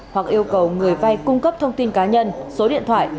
hoặc yêu cầu người vay cung cấp thông tin cá nhân số điện thoại